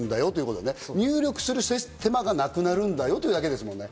入力する手間がなくなるんだよというだけですもんね。